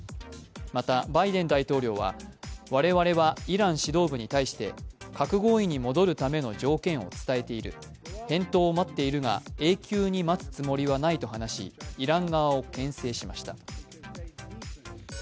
また、バイデン大統領は我々はイラン指導部に対して核合意に戻るための条件を伝えている、返答を待っているが永久に待つつもりはないと話しイラン側をけん制しました。